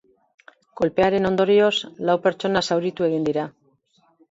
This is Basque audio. Kolpearen ondorioz, lau pertsona zauritu egin dira.